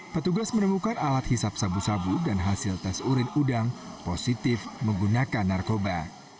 petugas menemukan alat hisap sabu sabu dan hasil tes urin udang positif menggunakan narkoba